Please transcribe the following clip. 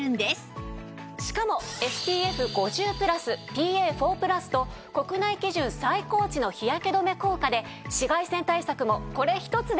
しかもＳＰＦ５０＋ＰＡ＋＋＋＋と国内基準最高値の日焼け止め効果で紫外線対策もこれ一つでバッチリなんです。